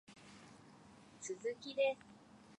鈴木です